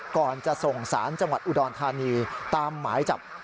ก่อนจะส่งสารจังหวัดอุดรธานีตามหมายจับ